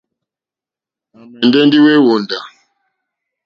À mɛ̀ndɛ́ ô hwóndá.